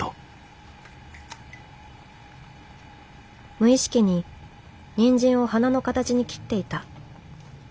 無意識にニンジンを花の形に切っていた。